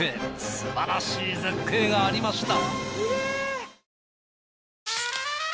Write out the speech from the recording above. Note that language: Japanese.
すばらしい絶景がありました！